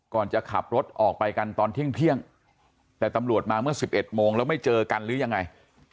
จะขับรถออกไปกันตอนเที่ยงแต่ตำรวจมาเมื่อ๑๑โมงแล้วไม่เจอกันหรือยังไง